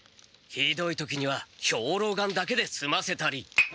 ひどい時には兵糧丸だけですませたり。